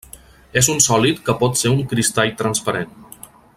És un sòlid que pot ser un cristall transparent.